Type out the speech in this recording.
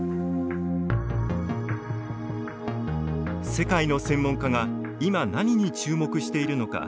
世界の専門家が今、何に注目しているのか。